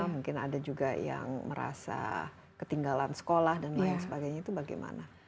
mungkin ada juga yang merasa ketinggalan sekolah dan lain sebagainya itu bagaimana